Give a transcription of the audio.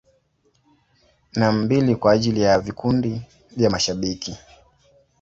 Na mbili kwa ajili ya vikundi vya mashabiki.